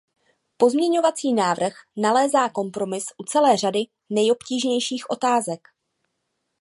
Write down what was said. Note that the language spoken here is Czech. Pozměňovací návrh nalézá kompromis u celé řady nejobtížnějších otázek.